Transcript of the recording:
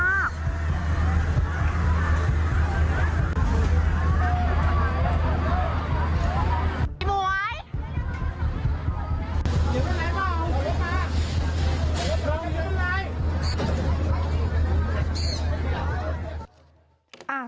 ลงยืนไหน